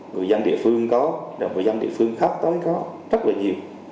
người dân địa phương khác tới có rất là nhiều